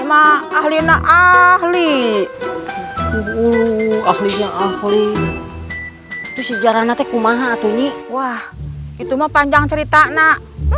mah ahli nah ahli ahli ahli ahli itu sejarahnya teku maha atuhnya wah itu mah panjang cerita nak